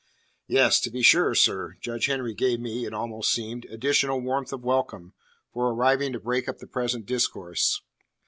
"Yes, to be sure, sir." Judge Henry gave me (it almost seemed) additional warmth of welcome for arriving to break up the present discourse.